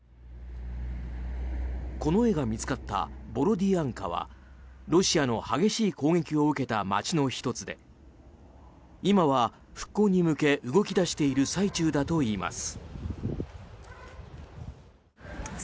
この絵が見つかったボロディアンカはロシアの激しい攻撃を受けた街の１つで今は復興に向け、動き出している最中だといいます。